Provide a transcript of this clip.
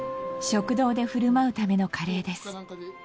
食堂で振る舞うためのカレーです。